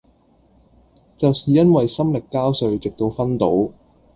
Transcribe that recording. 就是因為心力交瘁直至昏倒